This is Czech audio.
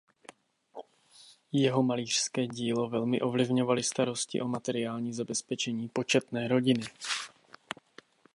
Jeho malířské dílo velmi ovlivňovaly starosti o materiální zabezpečení početné rodiny.